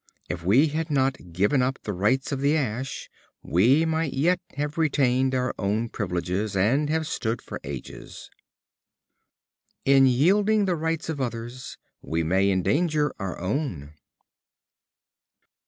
If we had not given up the rights of the ash, we might yet have retained our own privileges and have stood for ages." In yielding the rights of others, we may endanger our own.